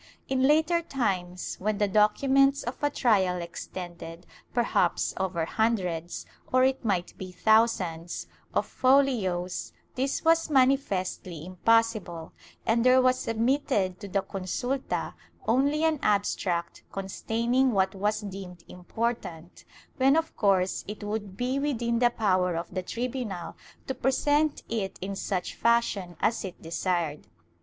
In later times when the documents of a trial extended perhaps over hundreds — or it might be thousands — of folios, this was manifestly impossible, and there was submitted to the consulta only an abstract con taining what was deemed important, when of course it would be within the power of the tribunal to present it in such fashion as it desired.